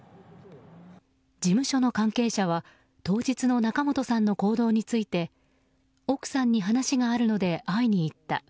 事務所の関係者は当日の仲本さんの行動について奥さんに話があるので会いに行った。